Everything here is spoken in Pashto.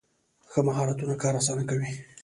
ښه مهارتونه کار اسانه کوي.